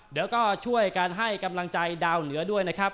เดี๋ยวก็ช่วยการให้กำลังใจดาวเหนือด้วยนะครับ